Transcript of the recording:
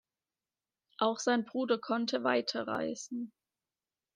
Auch sein Bruder konnte weiterreisen.